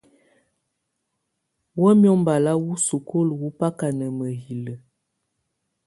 Wǝ́miǝ̀ ubala wù sukulu wù baka na mǝ̀hilǝ́.